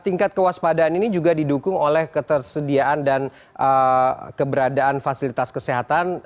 tingkat kewaspadaan ini juga didukung oleh ketersediaan dan keberadaan fasilitas kesehatan